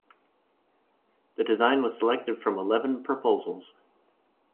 The design was selected from eleven proposals.